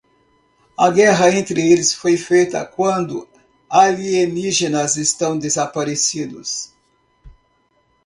A guerra entre eles foi feita quando alienígenas estão desaparecidos.